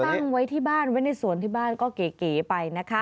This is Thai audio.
ตั้งไว้ที่บ้านไว้ในสวนที่บ้านก็เก๋ไปนะคะ